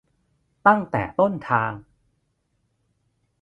ตั้งแต่ต้นทาง